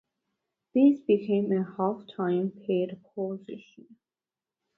This became a half-time paid position.